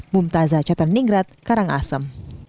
mumtazah chaterningrat karangasem